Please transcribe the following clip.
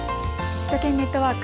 首都圏ネットワーク。